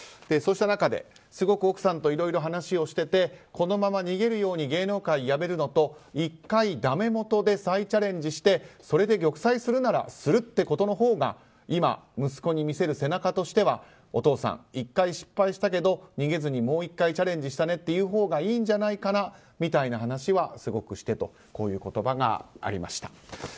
そうした中ですごく奥さんといろいろ話をしててこのまま逃げるようん芸能界辞めるのと１回、だめもとで再チャレンジしてそれで玉砕するならするってことのほうが今、息子に見せる背中としてはお父さん、１回失敗したけど逃げずにもう１回チャレンジしたねっていうほうがいいんじゃないかなみたいな話はすごくしてという言葉がありました。